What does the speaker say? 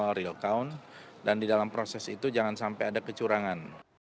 real count dan di dalam proses itu jangan sampai ada kecurangan